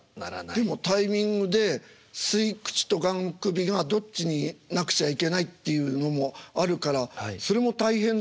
でもタイミングで吸い口とがん首がどっちになくちゃいけないっていうのもあるからそれも大変ですよね